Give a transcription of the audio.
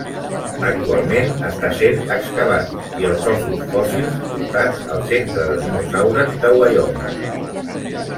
Actualment està sent excavat i els ossos fòssils portats al centre de Dinosaures de Wyoming.